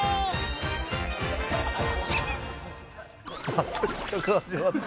また企画始まった。